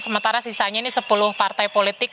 sementara sisanya ini sepuluh partai politik